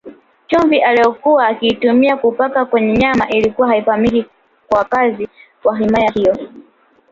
Chumvi aliyokuwa akiitumia kupaka kwenye nyama ilikuwa haifahamiki kwa wakazi wa himaya hiyo